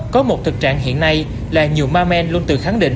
có một thực trạng hiện nay là nhiều ma men luôn tự khẳng định